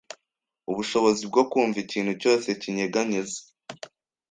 ubushobozi bwo kumva ikintu cyose kinyeganyeze